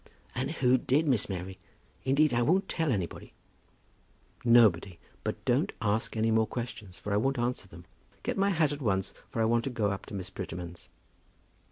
"And who did, Miss Mary? Indeed I won't tell anybody." "Nobody. But don't ask any more questions, for I won't answer them. Get me my hat at once, for I want to go up to Miss Prettyman's."